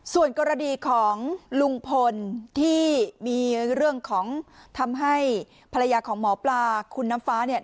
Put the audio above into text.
ส่วนกรณีของลุงพลที่มีเรื่องของทำให้ภรรยาของหมอปลาคุณน้ำฟ้าเนี่ย